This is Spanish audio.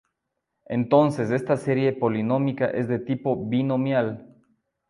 Entonces esta serie polinómica es de tipo binomial.